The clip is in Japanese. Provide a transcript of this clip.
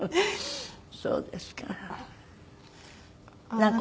そうですか。